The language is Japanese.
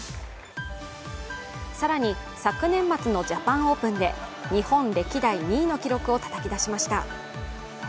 更に昨年末のジャパン・オープンで日本歴代２位の記録をたたき出しました。